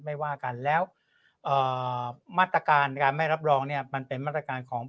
ไม่ว่ากันแล้วมาตรการการไม่รับรองเนี่ยมันเป็นมาตรการของ